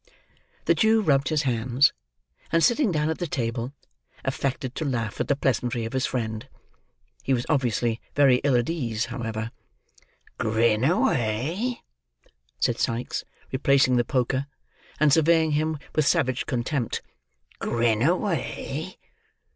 The Jew rubbed his hands; and, sitting down at the table, affected to laugh at the pleasantry of his friend. He was obviously very ill at ease, however. "Grin away," said Sikes, replacing the poker, and surveying him with savage contempt; "grin away.